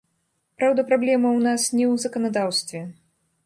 Праўда, праблема ў нас не ў заканадаўстве.